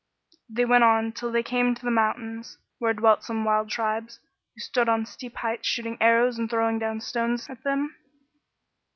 They went on till they cariie to the mountains, where dwelt some wild tribes, who stood on steep heights shooting arrows and throwing down stones at them.